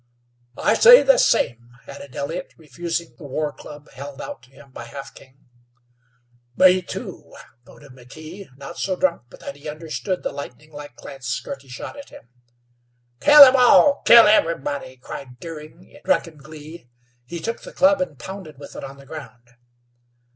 "I say the same," added Elliott, refusing the war club held out to him by Half King. "Me, too," voted McKee, not so drunk but that he understood the lightninglike glance Girty shot at him. "Kill 'em all; kill everybody," cried Deering in drunken glee. He took the club and pounded with it on the ground.